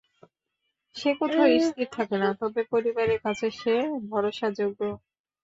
সে কোথাও স্থির থাকে না, তবে পরিবারের কাছে সে ভরসাযোগ্য।